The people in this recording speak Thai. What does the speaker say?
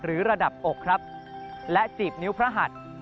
หรือระดับอกครับและจีบพระหัทธ์